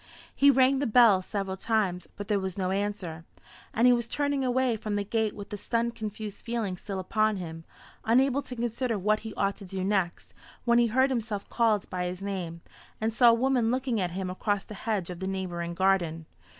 He rang the bell several times, but there was no answer; and he was turning away from the gate with the stunned confused feeling still upon him, unable to consider what he ought to do next, when he heard himself called by his name, and saw a woman looking at him across the hedge of the neighbouring garden.